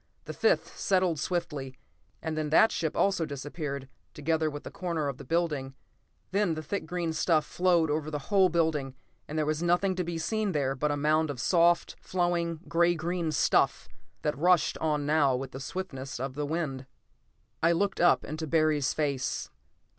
The fifth settled swiftly and then that ship also disappeared, together with a corner of the building. Then the thick green stuff flowed over the whole building and there was nothing to be seen there but a mound of soft, flowing, gray green stuff that rushed on now with the swiftness of the wind. I looked up, into Barry's face.